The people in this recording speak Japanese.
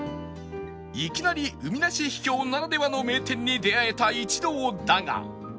いきなり海なし秘境ならではの名店に出会えた一同だが